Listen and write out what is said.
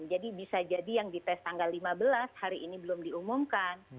jadi bisa jadi yang di test tanggal lima belas hari ini belum diumumkan